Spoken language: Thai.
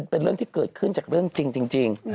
เป็นเรื่องที่เกิดขึ้นจากเรื่องจริง